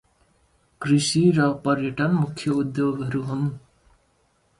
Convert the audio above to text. Agriculture and tourism are the main industries.